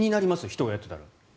人がやってたら。